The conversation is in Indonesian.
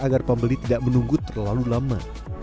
agar pembeli tidak menunggu terlalu lama